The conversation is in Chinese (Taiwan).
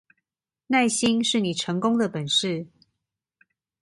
耐心是你成功的本事